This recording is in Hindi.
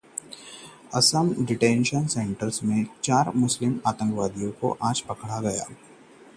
असम डिटेंशन सेंटर्स की याचिका को सुप्रीम कोर्ट ने किया खारिज